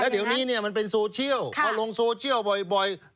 เดี๋ยวนี้มันเป็นโซเชียลพอลงโซเชียลบ่อย